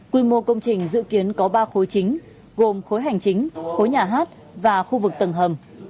quy mô công trình dự kiến có ba khối chính gồm khối hành chính khối nhà hát và khu vực tầng hầm